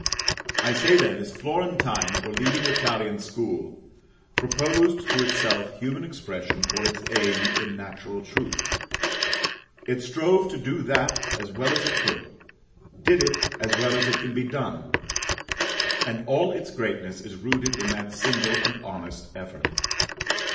I say, then, this Florentine or leading Italian school proposed to itself human expression for its aim in natural truth; it strove to do that as well as it could did it as well as it can be done and all its greatness is rooted in that single and honest effort.